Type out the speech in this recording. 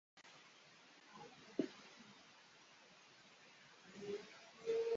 ukomotse hagati muri mwe, muri bene wanyu